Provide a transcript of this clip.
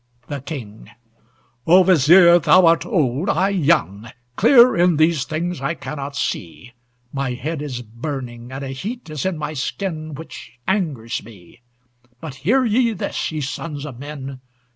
THE KING O Vizier, thou art old, I young! Clear in these things I cannot see. My head is burning, and a heat Is in my skin which angers me. But hear ye this, ye sons of men!